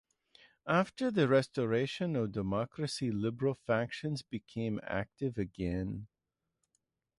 After the restoration of democracy liberal factions became active again.